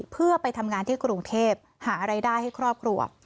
เพื่อไปทำงานที่กรุงเทพหารายได้ให้ครอบครัว